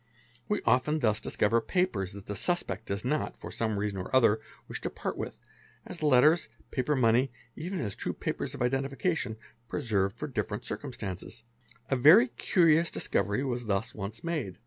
we often thus discover papers that the suspect does not, for some ason or other, wish to part with, as letters, paper money, even his true pa vers of identification, preserved for different circumstances. <A very rious discovery was thus once made.